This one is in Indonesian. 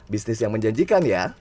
bisnis yang menjanjikan ya